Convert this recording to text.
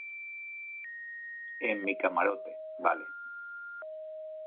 en mi camarote. vale .